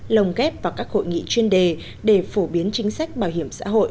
lồng ghép vào các hội nghị chuyên đề để phổ biến chính sách bảo hiểm xã hội